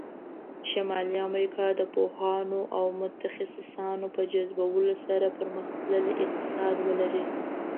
شمالي امریکا د پوهانو او متخصصانو په جذبولو سره پرمختللی اقتصاد ولری.